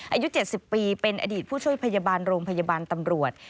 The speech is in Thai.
อายุ๗๐ปีเป็นอดีตผู้ช่วยพยาบาลโรงพยาบาลตำรวจ